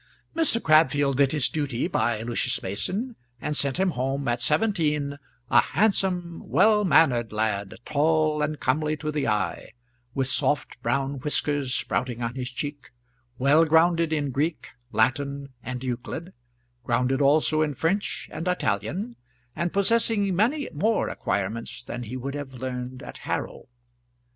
Mr. Crabfield did his duty by Lucius Mason, and sent him home at seventeen a handsome, well mannered lad, tall and comely to the eye, with soft brown whiskers sprouting on his cheek, well grounded in Greek, Latin, and Euclid, grounded also in French and Italian, and possessing many more acquirements than he would have learned at Harrow.